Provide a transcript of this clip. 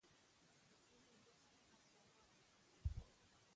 تر څنګ یې بل سور آس ولاړ و